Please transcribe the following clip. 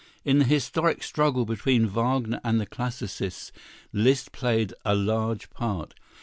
In the historic struggle between Wagner and the classicists Liszt played a large part.